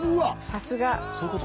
さすが！